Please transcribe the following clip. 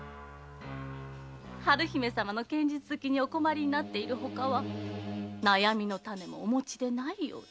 春姫様の剣術好きにお困りになっているほかは悩みの種もおもちでないようで。